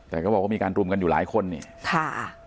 แต่ก็บอกว่ามีการรุมกันอยู่หลายคนนี่ค่ะ